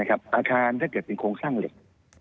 ถ้าเกิดเป็นโครงสร้างเหล็ก